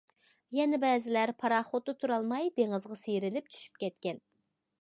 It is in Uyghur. يەنە بەزىلەر پاراخوتتا تۇرالماي دېڭىزغا سىيرىلىپ چۈشۈپ كەتكەن.